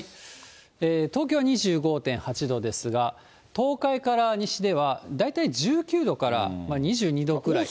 東京２５．８度ですが、東海から西では大体１９度から２２度くらい。